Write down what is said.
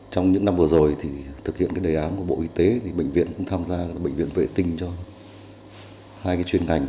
trong những năm vừa rồi thì thực hiện đề án của bộ y tế thì bệnh viện cũng tham gia bệnh viện vệ tinh cho hai chuyên ngành